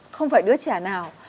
không phải đứa trẻ nào